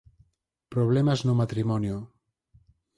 Problemas no matrimonio